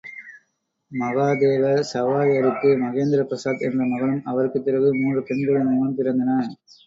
மகாதேவ சஹாயருக்கு மகேந்திர பிரசாத் என்ற மகனும், அவருக்குப் பிறகு மூன்று பெண் குழந்தைகளும் பிறந்தன.